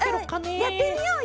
やってみようよ！